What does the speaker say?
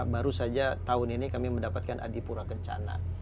baru saja tahun ini kami mendapatkan adipura kencana